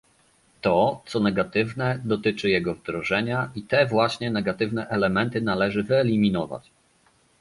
To, co negatywne, dotyczy jego wdrożenia, i te właśnie negatywne elementy należy wyeliminować